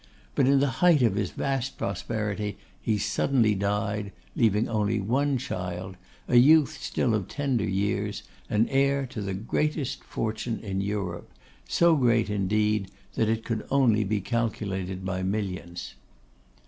But in the height of his vast prosperity he suddenly died, leaving only one child, a youth still of tender years, and heir to the greatest fortune in Europe, so great, indeed, that it could only be calculated by millions.